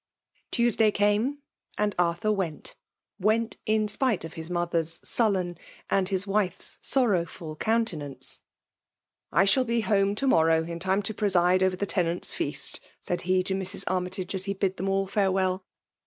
ToESDAT come, — and Arthur went ;— went, in spite of bis mother's sullen> and .his wife*s sor rowful countenance. " I shall be at home to morrow in time to preside over the tenants* feast/* said he to Mrs. Annjtage, as he bid them all farewell.